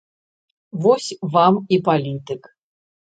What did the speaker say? Вось вам і палітык.